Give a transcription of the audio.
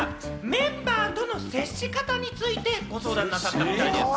メンバーとの接し方についてご相談なさったみたいです。